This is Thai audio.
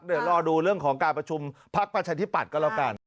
เดี๋ยวรอดูเรื่องของการประชุมพักประชาธิปัตย์ก็แล้วกัน